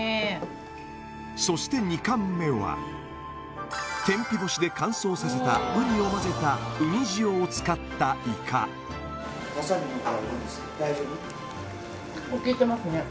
そして２貫目は天日干しで乾燥させたウニをまぜたウニ塩を使ったイカ・大丈夫？